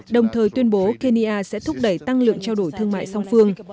đồng thời tuyên bố kenya sẽ thúc đẩy tăng lượng trao đổi thương mại song phương